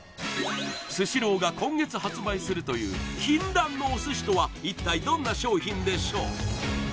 スシローが今月発売するという「禁断のお寿司」とは一体どんな商品でしょう？